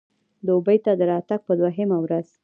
دوبۍ ته د راتګ په دوهمه ورځ.